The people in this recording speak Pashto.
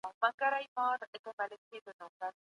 د روغتیا ښه کول تمرین ته اړتیا لري.